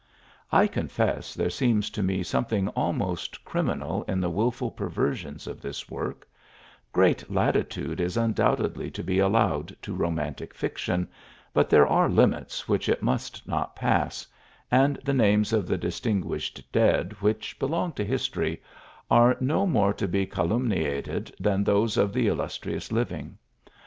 I confess there seems to me something almost criminal in the wilful perversions of this work, Great latitude is undoubtedly to be allowed to ro mantic fiction, but there are limits which it must not pass, and the names of the distinguished dead, which belong to history, are no more to be calum niated than those of the illustrious living.